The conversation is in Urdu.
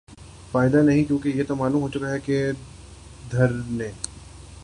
فائدہ نہیں کیونکہ یہ تو معلوم ہوچکا کہ دھرنے